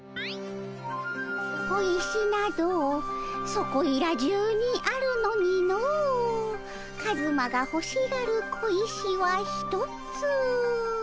「小石などそこいら中にあるのにのカズマがほしがる小石はひとつ」。